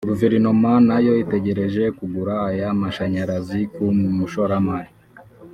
guverinoma nayo itegereje kugura aya mashanyarazi ku mushoramari